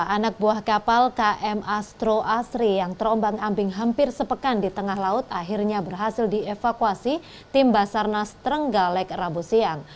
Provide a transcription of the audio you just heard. anak buah kapal km astro asri yang terombang ambing hampir sepekan di tengah laut akhirnya berhasil dievakuasi tim basarnas trenggalek rabu siang